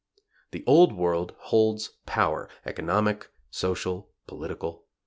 The old world holds power economic, social, political.